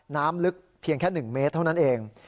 น้ำลึกเพียงแค่๑เมตรเท่านั้นเอง